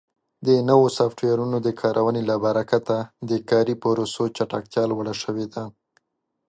د نوو سافټویرونو د کارونې له برکت د کاري پروسو چټکتیا لوړه شوې ده.